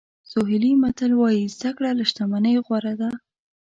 سوهیلي متل وایي زده کړه له شتمنۍ غوره ده.